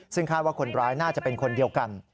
ซึ่งคาดว่าคนร้ายน่าจะเป็นคนเดียวกัน